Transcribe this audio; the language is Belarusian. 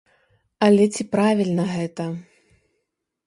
Але ці правільна гэта?